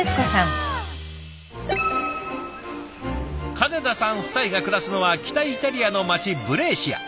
金田さん夫妻が暮らすのは北イタリアの街ブレーシア。